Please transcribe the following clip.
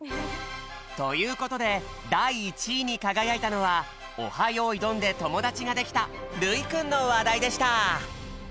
ということでだい１位にかがやいたのは「オハ！よいどん」でともだちができたるいくんのわだいでした！